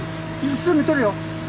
すぐとるよ。